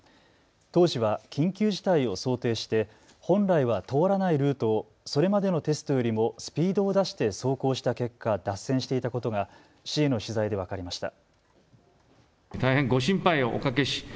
当時は緊急事態を想定して本来は通らないルートをそれまでのテストよりもスピードを出して走行した結果脱線していたことが市への取材で分かりました。